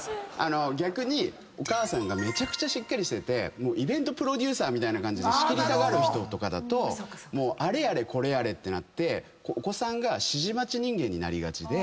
逆にお母さんがめちゃくちゃしっかりしててイベントプロデューサーみたいな感じで仕切りたがる人とかだとあれやれこれやれってなってお子さんが指示待ち人間になりがちで。